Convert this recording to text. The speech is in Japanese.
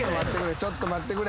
ちょっと待ってくれ。